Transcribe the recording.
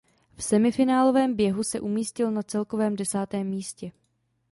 V semifinálovém běhu se umístil na celkovém desátém místě.